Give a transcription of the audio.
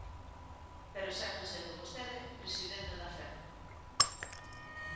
Pero segue sendo vostede presidente da Femp.